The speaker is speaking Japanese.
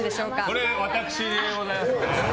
これ、私でございます。